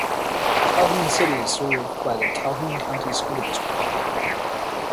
Calhoun City is served by the Calhoun County School District.